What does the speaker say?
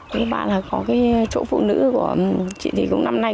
thứ ba là có chỗ phụ nữ của chị thì cũng năm nay